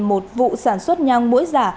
một vụ sản xuất nhang mũi giả